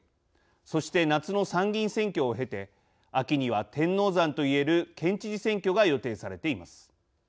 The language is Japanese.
そして夏の参議院選挙を経て秋には天王山といえる県知事選挙が予定されています。